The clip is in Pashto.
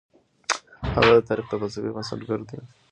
هغه د تاريخ د فلسفې بنسټګر دی.